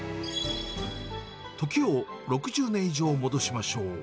時を６０年ほど戻しましょう。